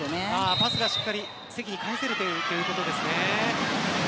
パスがしっかり返せるということですね。